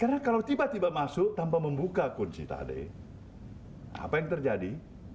karena kalau tiba tiba masuk tanpa membuka kunci tadi apa yang terjadi